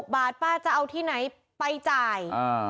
บาทป้าจะเอาที่ไหนไปจ่าย